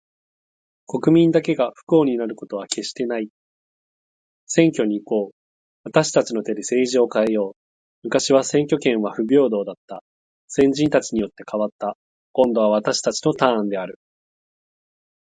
国民だけが不幸になることは決してない。選挙に行こう。私達の手で政治を変えよう。昔は選挙権は不平等だった。先人たちによって、変わった。今度は私達のターンである。